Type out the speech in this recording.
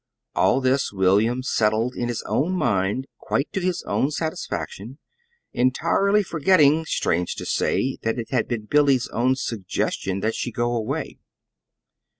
All this William settled in his own mind quite to his own satisfaction, entirely forgetting, strange to say, that it had been Billy's own suggestion that she go away.